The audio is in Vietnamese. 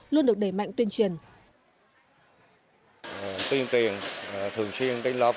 luôn được đẩy mạnh tuyên truyền